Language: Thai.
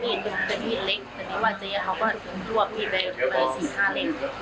เป็นอีกเล็กแต่พี่วาเจ้าเขาก็รวบอีกไปสี่ห้าลิง